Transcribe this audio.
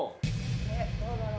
えっどうだろう？